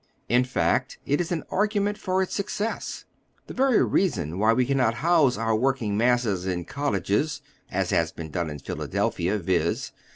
In fact it is an argument for its success. The very reason why we cannot house our working masses in cottages, as has been done in Philadelphia — viz.